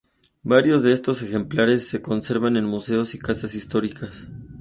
Varios de estos ejemplares se conservan en museos y casas históricas.